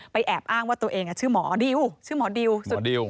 แอบอ้างว่าตัวเองชื่อหมอดิวชื่อหมอดิวสุดดิว